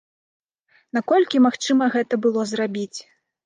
Наколькі магчыма гэта было зрабіць?